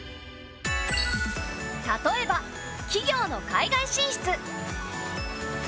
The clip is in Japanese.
例えば企業の海外進出。